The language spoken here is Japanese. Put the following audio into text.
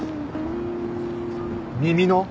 耳の？